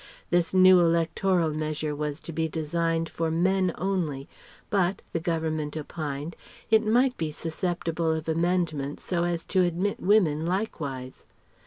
This new electoral measure was to be designed for men only, but the Government opined it might be susceptible of amendment so as to admit women likewise.